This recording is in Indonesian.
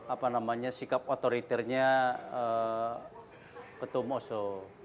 apa namanya sikap otoriternya ketua mosul